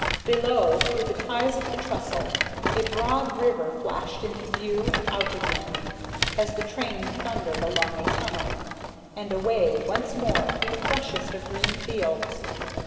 Below, through the ties of the trestle, a broad river flashed into view and out again, as the train thundered along a tunnel, and away once more through the freshest of green fields.